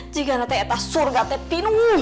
jika ada yang di surga itu